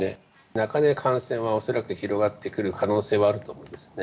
中で感染は恐らく広がってくる可能性はあると思うんですね。